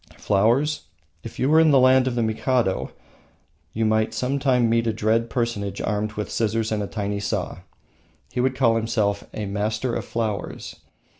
Flowers, if you were in the land of the Mikado, you might some time meet a dread personage armed with scissors and a tiny saw. He would call himself a Master of Flowers.